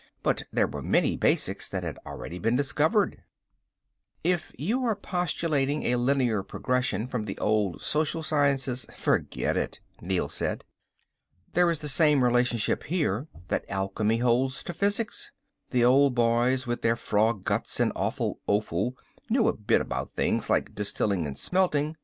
But there were many basics that had already been discovered." "If you are postulating a linear progression from the old social sciences forget it," Neel said. "There is the same relationship here that alchemy holds to physics. The old boys with their frog guts and awful offal knew a bit about things like distilling and smelting.